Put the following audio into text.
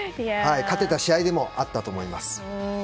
勝てた試合でもあったと思います。